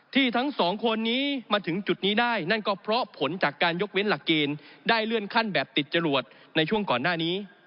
ทั้งสองคนนี้มาถึงจุดนี้ได้นั่นก็เพราะผลจากการยกเว้นหลักเกณฑ์ได้เลื่อนขั้นแบบติดจรวดในช่วงก่อนหน้านี้